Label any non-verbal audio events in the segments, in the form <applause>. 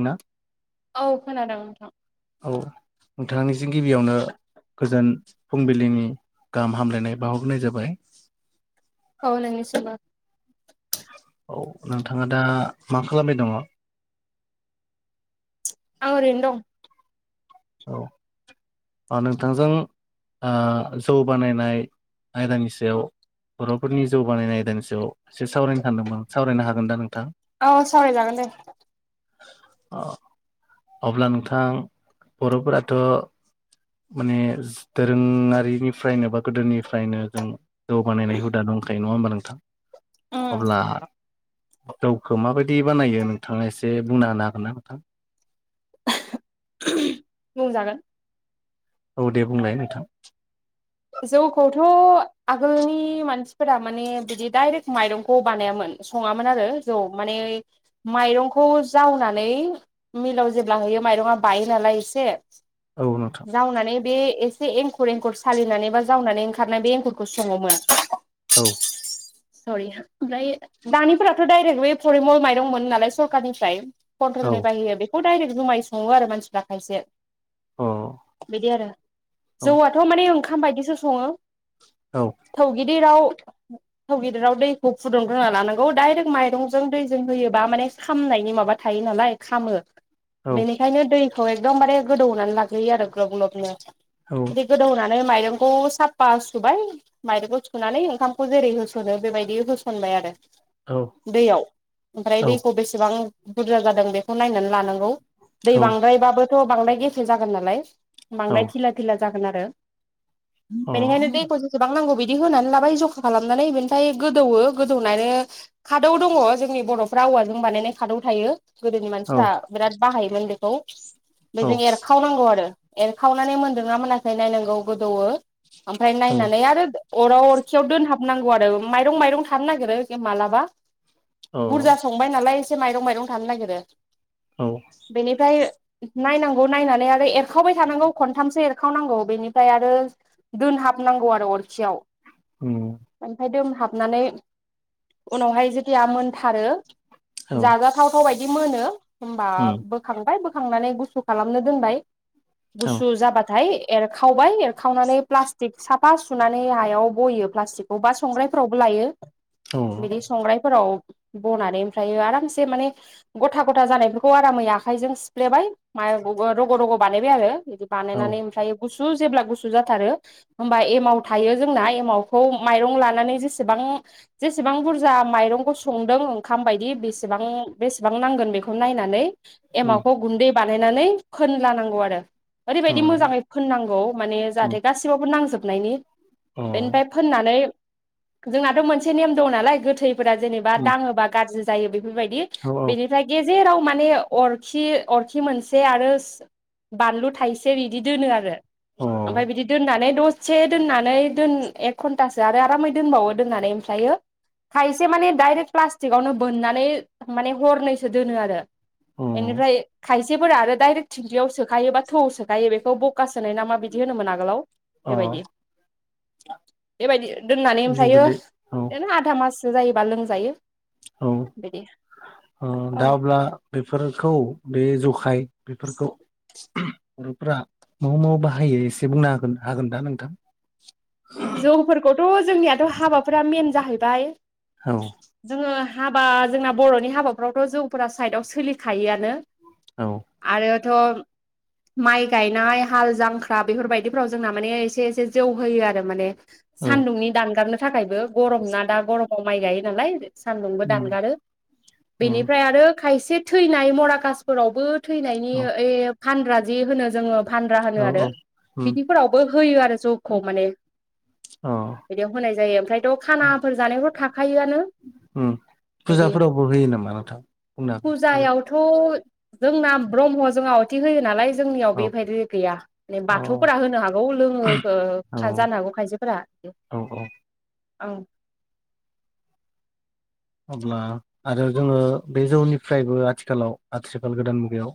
ना औ खोनादों नोंथां। औ नोंथांनिसिम गिबियावनो गोजोन फुंबिलिनि गाहाम हामलायनाय बाहरग्रोनाय जाबाय। औ नोंनिसिमबो औ नोंथाङा दा मा खालामबाय दङ? <inaudible> औ ओरैनो दं। औ नोंथांजों ओ जौ बानायनाय आयदानि सायाव बर'फोरनि जौगानायनाय आयदानि सायाव एसे सावरायनो सानदोंमोन सावरायनो हागोन दा नोंथां? औ सावराय जागोन दे। अब्ला नोंथां बर'फोराथ' माने दोरोङारिनिफ्रायनो बा गोदोनिफ्रायनो जों जौगानायनाय हुदा दङ दंखायो नङा होमबा नोंथां उम। अब्ला जौखौ माबायदि बानायो नोंथाङा एसे बुंना होनो हागोन ना नोंथां। बुंजागोन। औ दे बुंलाय नोंथां। जौखौथ' आगोलनि मानसिफोरा माने बिदि दाइरेक्ट माइरंखौ बानायामोन। सङामोन आरो जौ माने माइरंखौ जावनानै मिलाव जेब्ला है यो माइरंआ बायो नालाय एसे औ नोंथां जावनानै बे एसे एंखुर एंखुर सालिनानै बा जावनानै ओंखारनाय बे एंगुरखौ सङोमोन। औ सरि ओमफ्राय दानिफोराथ' डायरेक्ट बे फरिमल माइरंमोन नालाय सरखारारनिफ्राय। औ कन्ट्रलनि बाहायो बेखौ डाइरेक्ट जुमायै सङो आरो मानसिफ्रा खायसे। अ बिदि आरो अ जौआथ' माने ओंखाम बायदिसो सङो। औ थौ गिदिराव थाव गिदिराव दैखौ फुदुंग्रोना लानांगौ डाइरेक्ट माइरंजों दैजों होयोबा माने खामनायनि माबा थायो। नालाय खामो। औ बेनिखायनो दैखौ एकदमबारे गोदौनानै लाग्रोयो आरो ग्लब ग्लबनो बिदि गोदौहोनानै नाय माइरंखौ साफा सुबाय माइरंखौ सुनानै ओंखामखौ जेरै होस सनो बेबायदि होसनबाय आरो औ दैयाव ओमफ्राय औ दैखौ बेसेबां बुरजा जादों बेखौ नायनानै लानांगौ दै औ अ औ बांद्रायबाबोथ' बांद्राय गेफे जागोन नालाय बांद्राय धिला धिला जागोन आरो बेनिखायनो दैखौ बेसेबां नांगौ बिदि होनानै लाबाय जखा खालामनानै बे फाय गोदौवो गोदौनानै खादौ दङ जोंनि बर'फ्रा औवाजों बानायनाय खादौ थायो। गोदोनि मानसिफ्रा बिराद बाहायोमोन बेखौ औ बेजों एरखावनांगौ आरो एरखावनानै मोनदों ना मोनाखै नायनांगौ गोदौवो ओमफ्राय नायनानै आरो अराव अरखियाव दोनहाबनांगौ आरो माइरं माइरं थानो नागिरो मालाबा औ अ बुरजा संबाय नालाय एसे माइरं माइरं थानो नागिरो औ बेनिफ्राय नायनांगौ नायनानै आरो एरखावबाय थानांगौ खनथामसो एरखावनांगौ बेनिफ्राय आरो दोनहाबनांगौ आरो अरखियाव औ हाबनानै उनावहाय जेथिया मोनथारो औ जाजाथावथाव बाय दि मोनो होमबा उम बोखांबाय बोखांनानै गुसु खालामनो दोनबाय औ गुसु जाबाथाय एरखावबाय एरखावनानै प्लास्टिक साफा सुनानै हायाव बयो प्लास्टिकखौ बा संग्रायफोरावबो लायो औ बिदि संग्रायफोराव बनानै ओमफ्राय आरामसे माने गथा गथा जानायफोरखौ आरामै आखाइजों सिफ्लेबाय मानि रग रग बानायबाय आरो औ बानायनानै ओमफ्राय गु सु जेब्ला गुसु जाथारो होमब्ला एमाव थायो जोंना एमावखौ माइरं लानानै बेसेबां जेसेबां बुरजा माइरंखौ संदों ओंखाम बायदि बेसेबां बेसेबां नांगोन। बेखौ नायनानै उम एमावखौ गुन्दै बानायनानै फोनलानांगौ आरो ओरैबायदि औ मोजाङै फोननांगौ माने उम जाहाथे गासैबावबो नांजोबनायनि अ बेनिफ्राय फोननानै जोंनाथ' मोनसे नेम दं नालाय गोथैफोरा जेनेबा उम दाङोबा गाज्रि जायो बे बेफोरबायदि औ बेनिफ्राय गेजेराव माने अरखि अरखि मोनसे आरो बानलु थाइसे बिदि दोनो आरो औ ओमफ्राय बिदि दोननानै ददसे दोननानै दोन एक घन्टासो आरो आरामै दोनबावो दोननानै ओमफ्रियो खायसे माने दडाइरेक्ट प्लास्टिकआवनो बोननानै माने हरनैसो दोनो आरो अ इनिफ्राय खायसेफोरा आरो दाइरेक्ट थिंख्यियाव सोखायोबाथ थौआव सोखायो बेखौ बखा सोनाय ना मा बिदि होनोमोन आगोलाव अ बेबायदि बेबायदि दोननानै ओमफ्रायो बेबायदि औ बिदिनो आधा माससो जायोबा लोंजायो। औ बिदि अ दा औ अब्ला बेफोरखौ बे ज खाय बेफोरखौ बर'फ्रा मोव मोव बाहायो एसे बुंनो हागो हागोन दा नोंथां जौफोरखौथ' जोंनियाथ' हाबाफोरा मेन जाहैबाय औ जोङो हाबा जोंना बर'नि हाबाफ्रावथ' जौफोरा साइदआव सोलिखायोआनो औ आरो द' माइ गायनाय हाल जांख्रा बेफोरबायदिफोराव जोंना माने एसे एसे जौ होयो आरो माने औ सान्दुंनि दानगारनो थाखायबो गरम ना दा गरमाव माइ गायो नालाय सान्दुंबो उम दानगारो उम बेनिफ्राय आरो खायसे थैनाय मराकासफोरावबो थैनायनि औ ओइ फानग्रा जि होनो जोङो फानग्रा होनो औ आरो औ उम बिदिफोरावबो होयो आरो जौखौ माने औ बिदियाव होनाय जायो ओमफ्रायथ' खानाफोर जानायफोर था खायोआनो उम बिदि फुजाफोरावबो होयो नामा नोंथां बुंनो हागोन फुजा फुजायावथ' जोंना ब्रह्म जों आवथि होयो नालाय जोंनियाव औ बेबायदि गैया। माने औ बाथौ फोरा होनो हागौ लोंङोखो औ होनो हागौ खायसेफोरा औ औ ओ। अब्ला आरो जोङो बे जौनिफ्रायबो आथिखालाव आथिखाल गोदान मुगायाव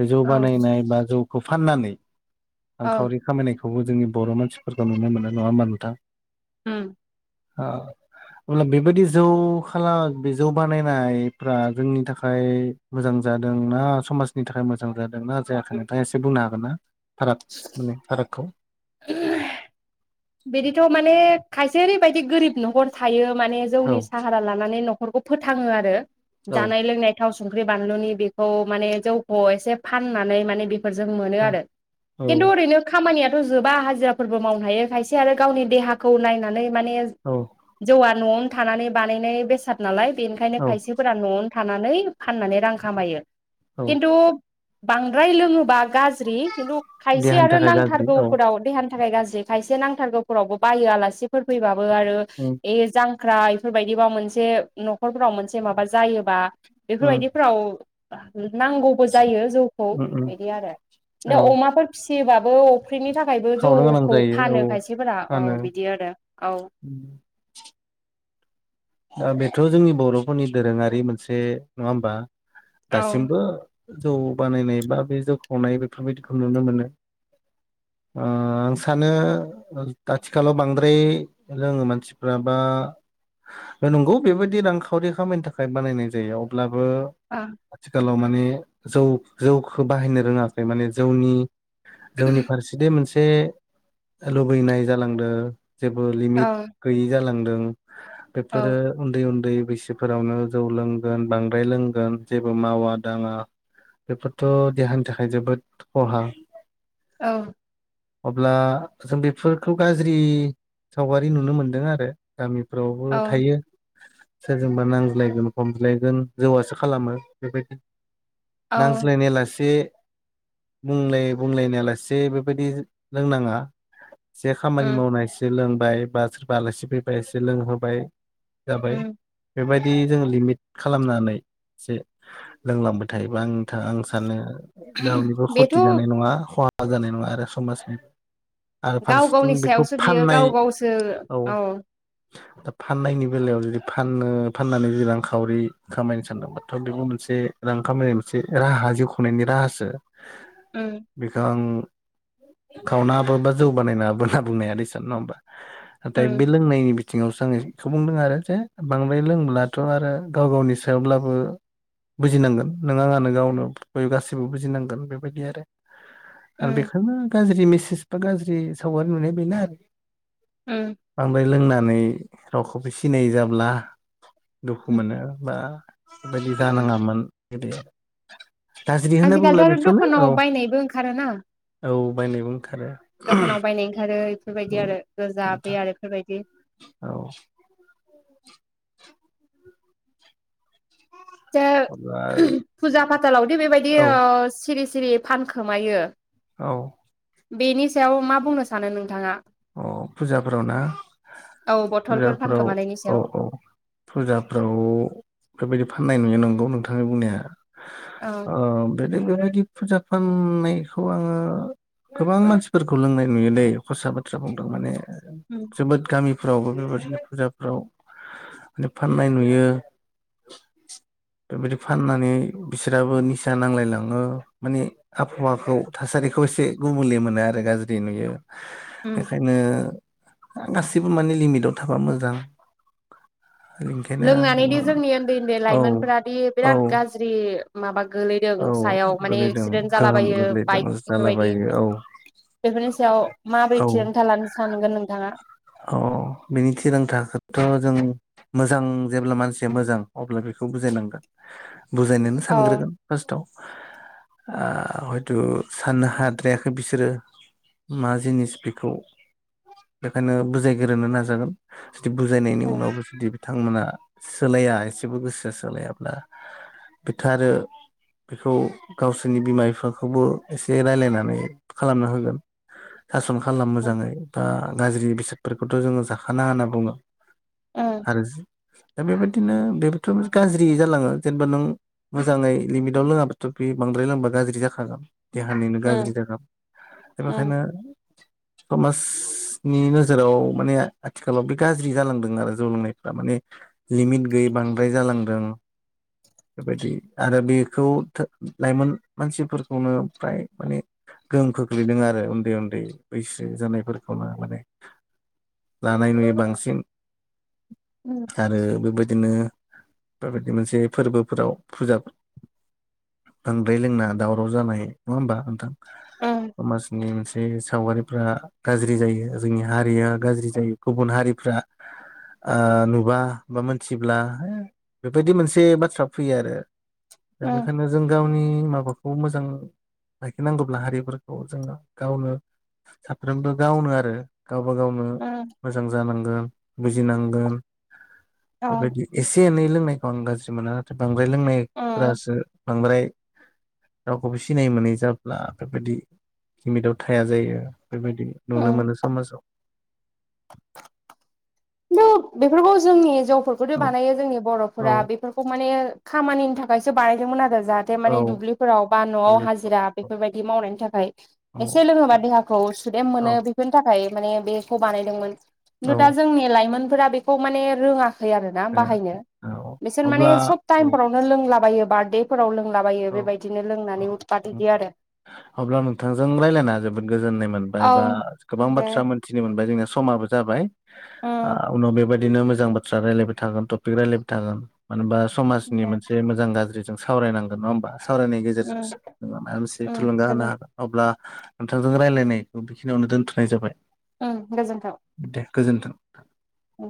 बे जौ औ बानायनाय बा जौखौ फाननानै औ रांखावरि खामायनायखौ बेखौबो जोंनि बर' मानसिफोरखौ नुनो मोनो नङा होमा नोंथां। हम ओ अब्ला बेबायदि जौ खालाय बि जौ बानायनायफ्रा जोंनि थाखाय मोजां जादों ना समाजनि थाखाय मोज मोजां जादोंना जायाखै नोंथाङा एसे बुंनो हागोन ना भाराग माने भारागखौ‌ बिदिथ' माने खायसे ओरैबायदि गोरिब न'खर थायो। माने औ जौनि साहारा लानानै न'खरखौ फोथांओ आरो औ जानाय लोंनायफोरखौ थाव सं संख्रि बानलुनि बेखौ माने जौखौ एसे फाननानै मानि बे फोरजों मोनो आरो खिन्थु औ ओैनो खामानियाथ' जोबा हाजिराफोरबो मावनो हायो खायसे आरो गावनि देहाखौ नायनानै माने औ जौआ। न'आवनो थानानै बानायनाय बेसाद नालाय बेनिखायनो औ खायसेफोरा न'आवनो थानानै फाननानै रां खामायो औ खिन्थु बांद्राय लोङोबा गाज्रि खिन्थु खायसे देहानि आरो थाखाय गाज्रि औ नांथारगौफोराव देहानि थाखाय गाज्रि खायसे नां नाथारगौ फोर्बोफोरावबो बायो आलासिफोर फैबाबो आरो उम ए जां ख्रा इफोरबायदिबा मोनसे न'खरफोराव मोनसे माबा जायोबा उम बेफोरबायदिफोराव नांगौबो जायो जौखौ उम उम बिदि आरो बि औ अमाफोर फिसियोबाबो फुख्रिनि थाखायबो खावनो गोनां जौखौ जायो औ फानो खायसेफोरा औ फानो बिदि आरो औ। दा बेथ जोंनि बरफोरनि दोरोङारि मोनसे नङा होमबा? औ दासिमबो जौ बानायनाय बा बे जौ खावनाय बेफोरबायदिखौ नुनो मोनो । ओ आं सानो आथिखालाव बांद्राय लोङो मानसिफ्रा बा नंगौ बेबायदि रांखावरि खामायनो थाखाय बानायनाय जायो अब्लाबो औ आथिखालाव मान माने जौ जौखौ बाहायनो रोङाखै माने जौनि जौनि फारसे दि मोनसे एसे लुबैनाय जालांदों जेबो लिमिट औ गैयि जालांदों । जों बेफोरो औ उन्दै उन्दै बिसिफोरावनो जौ लोंगोन बांद्राय लोंगोन जेबो मावा दाङा । बेफोरथ देहानि थाखाय जोबोद खहा। औ अब्ला जों बेफोरखौ गाज्रि सावगारि नुनो मोन्दों आरो गामिफ्रावबो औ थायो। सोरजोंबा नांज्लायगोन खमज्लायगोन जौवासो खालामो बेबायदि औ नांज्लायनायलासे बुंलाय बुंलायनायालासे बेबायदि लोंनाङा। जे खामानि उम मावना एसे लोंबाय बा सोरबा आलासि फैबा एसे लोंहोबाय। जाबाय उम बेबायदि बेदि जोङो लिमिट खालामनानै एसे लोंलांबाय थायोबा आं आं सानो रावनिबो खथि बेथ' जानाय नङा खहा जानाय नङा आरो समाजनि आरो गाव फारसेथिं गावनि बेखौ सायावसो बियो फाननाय गाव गावसो औ फाननायनि बेलायाव जुदि फानो फाननानै जुदि रांखावरि खामायनो सानदोंबाथ बेबो मोनसे रां खामनाय मोनसे राहा जिउ खांनायनि राहासो उम बेखौ आं खावनाङाबो बा जौ बानायनाङाबो होनना बुंनो हाया दसन, नङा होमबा? नाथाय उम बे लोंनायनि बिथिङावसो आङो बेखौ बुंदों आरो जे बांद्राय लोंब्लाथआरो गाव गावनि सायावब्लाबो बुजिनांगोन नों आंनो गावनो बयबो गासिबो बुजिनांगोन बेबायदि आरो आरो उम बेखायनो गाज्रि मेसेज बा गाज्रि सावगारि नुनाया बेनोआरो उम बांद्राय लोंनानै रावखौबो सिनायि जाब्ला दुखु मोनो बा बेबायदि जानाङामोन बेदि गाज्रि होनना बुंब्ला आजिखालिथ' आरो बेफोरनो औ दखानाव बायनायबो ओंखारोना औ बायनाय बुं दखानाव बायनाय ओंखारो बेफोरबायदि आरो गोजा बे नोंथां आरो बेफोरबायदि औ दा अब्ला फुजा फाथालावदि बेबायदि औ ओ सिरि सिरि फानखोमायो औ बेनि सायाव मा बुंनो सानो नोंथाङा? अ फुजाफोराव ना? औ बथलफोर फुजाफ्राव फानखोमानायनि औ सायाव औ फुजाफ्राव बेबायदि फाननाय नुयो नंगौ नोंथां बुंनाया औ ओ बे बेबायदि फुजा फाननायखौ आङो गोबां मानसिफोरखौ लोंनाय नुयोदै खसा बा बाथ्रा बुंदों माने उम जोबोद गामिफ्रावबो बेबायदिनो फुजाफ्राव माने फाननाय नुयो। बेबायदि फाननानै बिसोराबो निसा नांलायलाङो माने आबहावाखौ थासारि खौ एसे गुबुंलि मोनो आरो गाज्रि नुयो । उम बेखायनो गासिबो माने लिमिटाव थाबा मोजां ओंखायनो आं लोंनानैदि बुङो जोंनि उन्दै उन्दै औ लाइमोनफोरादि बिराद औ गाज्रि माबा औ गोलैदों सायाव माने गोलैदों एक्सिडेन्ट गोहोम जालाबायो गोग्लैदों बाइक बेफोरबायदि जालाबायो औ बेफोरनि सायाव औ माबोरै थिरांथा लानो सानगोन नोंथाङा? औ बिनि थिरांथाखौथ जों मोजां जेब्ला मानसिया मोजां अब्ला बेखौ बुजायनांगोन । बुजायनोनो औ सानग्रोगोन फार्स्टआव आ हयथ' साननो हाद्रायाखै बिसोरो मा जिनिस बेखौ खायनो बुजायग्रोनो नाजागोन जुदि बुजायनायनि उम उनावबो जुदि बिथांमोना सोलाया एसेबो गोसोआ सोलायाब्ला बिखो आरो बेखौ गावसोरनि बिमा बिफाखौबो एसे रायलायनानै खालामना होगोन सासन खालाम उम मोजाङै बा गाज्रि बेसादफोरखौथ' जोङो जाखाना होनना बुङो उम आरो जो दा बेबायदिनो बेबोथ' गाज्रि जालाङो जेनेबा नों मोजाङै लिमिटव लोङाबाथ' बे बे बांद्राय लोंबा गाज्रि जाखागोन देहानिनो गाज्रि जागोन दा उम बेखायनो समाज नि नोजोराव माने आथिखालाव बे गाज्रि जालांदों आरो जौ लोंनायफ्रा माने लिमिट गैयै बांद्राय जालांदों बेबायदि आरो बेखौ लाइमोन मानसिफोरखौनो फ्राय माने गोहोम खोख्लैदों आरो उन्दै उन्दै बैसो जानायफोरखौनो माने लानाय नुयो बांसिन उम आरो बेबाय दिनो बेबायदि मोनसे फोरबोफोराव फुजा बांद्राय लोंना दावराव जानाय नङा होमबा नोंथां उम समाजनि मोनसे सावगारिफ्रा गाज्रि जायो। जोंनि हारिया गाज्रि जायो गुबुन हारिफ्रा ओ नुबा बा मोनथिब्ला बेबायदि मोनसे बाथ्रा फैयो आरो दा उम बेखायनो जों गावनि माबाखौ मोजां लाखिनांगौब्ला हारिफोरखौ जोङो गावनो साफ्रोमबो गावनो आरो गावबा गावनो उम मोजां जानांगोन बुजिनांगोन औ बेबायदि एसे एनै लोंनायखौ आं गाज्रि मोना आरो बां द्राय उम लोंनायफोरासो बांद्राय रावखौबो सिनाय मोनै जाब्ला बेफोरबायदि लिमिटाव थाया जायो। बेबायदि नुनो उम मोनो <inaudible> दोत बेफोरखौ जोंनि हिनजावफोरखौथ औ बानायो जोंनि औ बर'फोरा बेफोरखौ माने खामानिनि थाखायसो बानायदोंमोन आरो जाहाथे औ मानिे दुब्लिफोराव बा नवाव दुब्लिफ्राव हाजिरा औ बेफोरबायदि मावनायनि थाखाय एसे लोङोबा देहाखौ सुदेम औ मोनो बेफोरनि थाखाय माने बेखौ बानायदोंमोन खिन्थु औ दा जोंनि लाइमोनफोरा बेखौ माने रोङा खै आरोना बाहायनो औ बिसोर माने अब्ला सब टाइम औ फोरावनो लोंलाबायो बार्देफोरावनो लोंलाबायो औ बेबायदिनो लोंनानै औ उद पाद इदि आरो अब्ला नोंथांजों रायज्लायना जोबोद गोजोननाय मोनबाय औ बा गोबां दे बाथ्रा मोनथिनो मोनबाय जोंनि समाबो जाबाय उम उनाव बेबा दिनो मोजां बाथ्रा रायलायबाय थागोन तपिक रायबाय थागोन मानो होनबा समाजनि दे मोनसे मोजां गाज्रि जों सावरायनांगोन नङा होमबा सावरायनायनि उम गेजेरजोंसो जोङो माबा मोनसे उम थुलुंगा होनो गोजोन हागोन अब्ला नोंथांजों रायलायनायखौ बेखिनियावनो दोनथ'नाय जाबाय। ओं गोजोनथों। दे गोजोन्थों औ